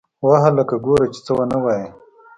وه هلکه گوره چې څه ونه وايې.